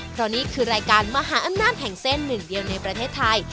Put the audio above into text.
เพราะนี่คือรายการมหาอำนาจแห่งเส้นหนึ่งเดียวในประเทศไทย